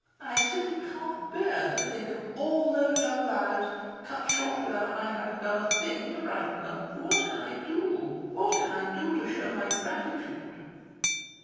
I simply can't bear to think of all these young lives cut short without my having done a thing to brighten them. What can I do? what can I do to show my gratitude?"